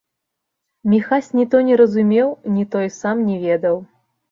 Міхась не то не разумеў, не то і сам не ведаў.